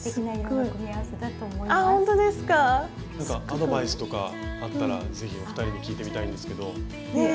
なんかアドバイスとかあったらぜひお二人に聞いてみたいんですけど。